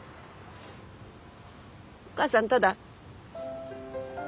お母さんただ。